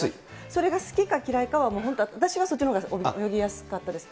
それが好きか嫌いかは、もう本当、私はそっちのほうが泳ぎやすかったです。